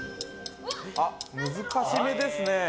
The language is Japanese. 難しめですね。